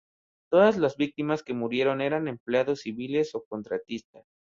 Todas las víctimas que murieron eran empleados civiles o contratistas.